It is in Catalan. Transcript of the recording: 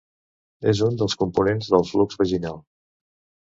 És un dels components del flux vaginal.